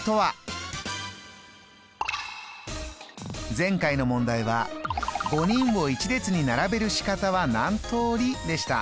前回の問題は「５人を一列に並べる仕方は何通り？」でした。